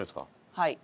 はい。